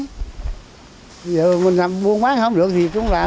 giờ mình làm mua bán không được thì cũng làm